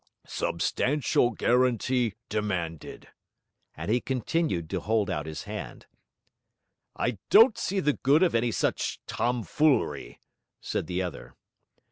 'Substantial guarantee demanded.' And he continued to hold out his hand. 'I don't see the good of any such tomfoolery,' said the other.